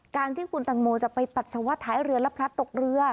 การที่คุณตังโมจะไปปัสสาวะท้ายเรือและพลัดตกเรือ